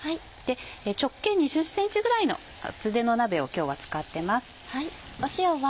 直径２０ｃｍぐらいの厚手の鍋を今日は使ってます。